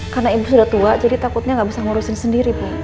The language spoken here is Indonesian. karena ibu sudah tua jadi takutnya gak bisa ngurusin sendiri bu